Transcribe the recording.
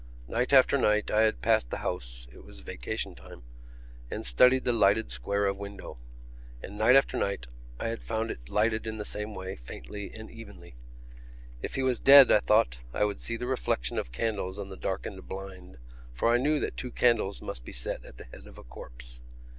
Night after night I had passed the house (it was vacation time) and studied the lighted square of window: and night after night I had found it lighted in the same way, faintly and evenly. If he was dead, I thought, I would see the reflection of candles on the darkened blind for I knew that two candles must be set at the head of a corpse.